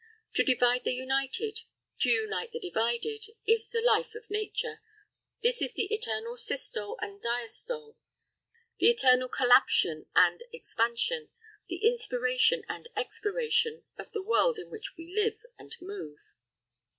To divide the united, to unite the divided, is the life of nature; this is the eternal systole and diastole, the eternal collapsion and expansion, the inspiration and expiration of the world in which we live and move.